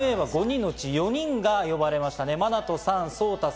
チームＡは５人のうち４人が呼ばれました。